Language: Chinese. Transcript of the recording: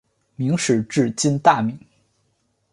明时治今大名。